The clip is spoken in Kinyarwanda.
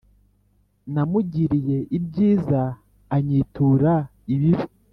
Namugiriye ibyiza, anyitura ibibi.